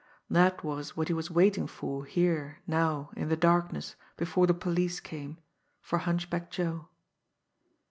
That was what he was waiting for here now in the darkness before the police came for Hunchback Joe.